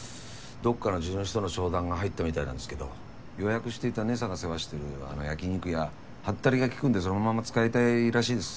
どっかの地主との商談が入ったみたいなんですけど予約していた姐さんが世話してるあの焼き肉屋ハッタリが利くんでそのまま使いたいらしいです。